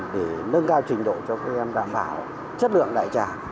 để nâng cao trình độ cho các em đảm bảo chất lượng đại trà